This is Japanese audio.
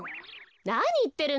なにいってるの？